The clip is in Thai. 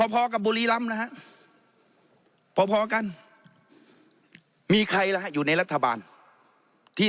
พอกับบุรีรำนะฮะพอพอกันมีใครล่ะฮะอยู่ในรัฐบาลที่